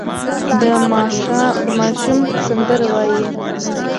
دا ماشوم سندره وايي.